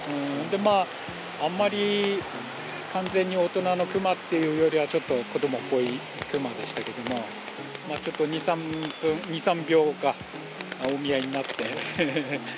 あんまり完全に大人の熊っていうよりは、ちょっと子どもっぽい熊でしたけども、ちょっと２、３秒か、お見合いになって。